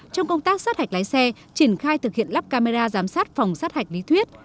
trong công tác sát hạch lái xe triển khai thực hiện lắp camera giám sát phòng sát hạch lý thuyết